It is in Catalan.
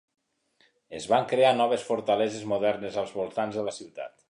Es van crear noves fortaleses modernes als voltants de la ciutat.